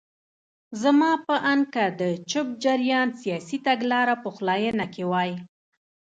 زما په اند که د چپ جریان سیاسي تګلاره پخلاینه کې وای.